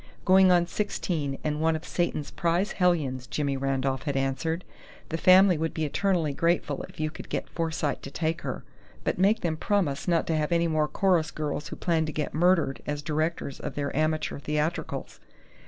"Going on sixteen, and one of Satan's prize hellions," Jimmy Randolph had answered. "The family would be eternally grateful if you could get Forsyte to take her, but make them promise not to have any more chorus girls who plan to get murdered, as directors of their amateur theatricals.